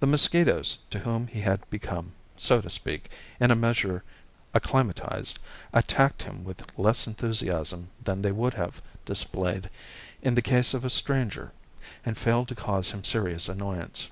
The mosquitoes, to whom he had become, so to speak, in a measure acclimatized, attacked him with less enthusiasm than they would have displayed in the case of a stranger, and failed to cause him serious annoyance.